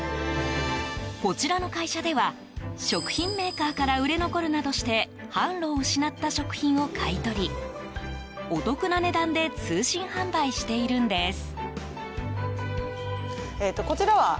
こちらの会社では食品メーカーから売れ残るなどして販路を失った食品を買い取りお得な値段で通信販売しているんです。